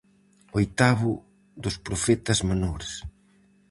Oitavo dos profetas menores.